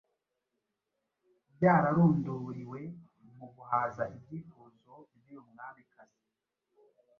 byararunduriwe mu guhaza ibyifuzo by’uyu mwamikazi.